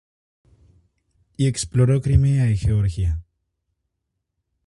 Y exploró Crimea y Georgia.